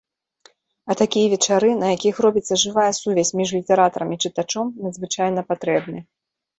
А такія вечары, на якіх робіцца жывая сувязь між літаратарам і чытачом, надзвычайна патрэбны.